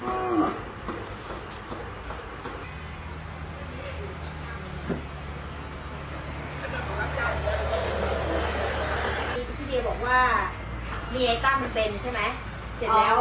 ที่เดย์บอกว่ามีไอ้ตั้มเป็นใช่ไหมเสร็จแล้ว